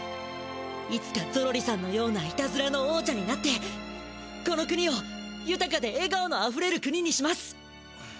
いつかゾロリさんのようないたずらの王者になってこの国をゆたかでえがおのあふれる国にします！